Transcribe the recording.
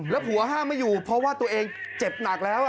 แล้วผัวห้ามไม่อยู่เพราะว่าตัวเองเจ็บหนักแล้ว